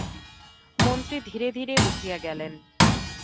মন্ত্রী ধীরে ধীরে উঠিয়া গেলেন।